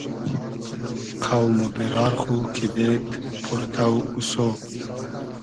قۆم و بیرار خو کیدېد پۉرتۆ اوسۉ